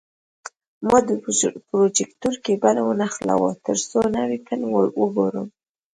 ما د پروجیکتور کیبل ونښلاوه، ترڅو نوی فلم وګورم.